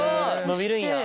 伸びるんや。